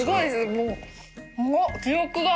もう記憶が。